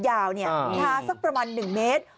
ทาสักประมาณหนึ่งเมตร